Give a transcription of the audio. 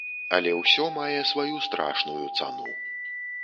Але ўсё мае сваю страшную цану.